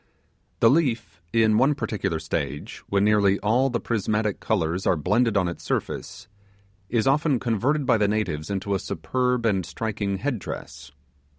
The leaf, in one particular stage, when nearly all the prismatic colours are blended on its surface, is often converted by the natives into a superb and striking head dress.